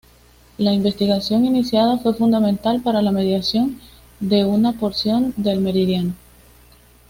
La investigación iniciada fue fundamental para la medición de una porción del meridiano.